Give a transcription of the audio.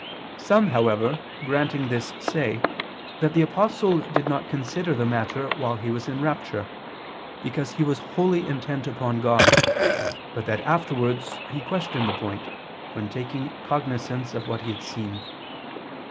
Some, however, granting this say that the Apostle did not consider the matter while he was in rapture, because he was wholly intent upon God, but that afterwards he questioned the point, when taking cognizance of what he had seen.